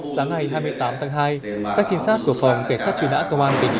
sáng ngày hai mươi tám tháng hai các trinh sát của phòng kẻ sát truy đá công an thị xã an nhơn